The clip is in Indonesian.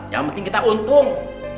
yang penting kita untung